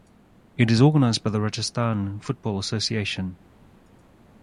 It is organised by the Rajasthan Football Association.